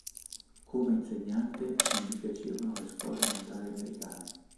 Come insegnante, non gli piacevano le scuole elementari americane.